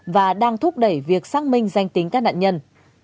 và đang thúc đẩy việc xác minh danh tính các nạn nhân